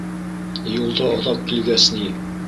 Юлда оҙаҡ килгәс ни.